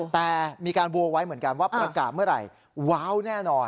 แต่มีการโวลไว้เหมือนกันว่าประกาศเมื่อไหร่ว้าวแน่นอน